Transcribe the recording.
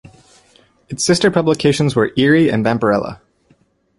Its sister publications were "Eerie" and "Vampirella".